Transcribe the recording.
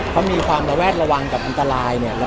เขามีความระแวดระวังกับอันตรายเนี่ย